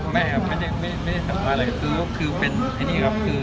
ไม่ครับไม่ได้ทำอะไรคือเป็นอันนี้ครับ